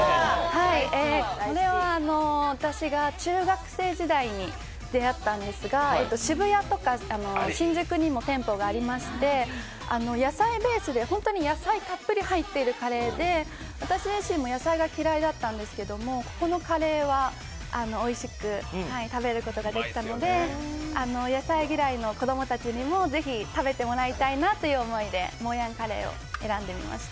これは私が中学生時代に出会ったんですが渋谷とか、新宿にも店舗がありまして、野菜ベースで、本当に野菜たっぷり入っているカレーで私自身も野菜が嫌いだったんですけども、ここのカレーはおいしく食べることができたので野菜嫌いの子供たちにもぜひ食べてもらいたいなという思いでもうやんカレーを選んでみました。